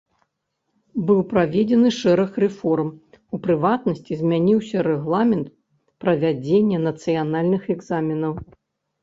Быў праведзены шэраг рэформ, у прыватнасці змяніўся рэгламент правядзення нацыянальных экзаменаў.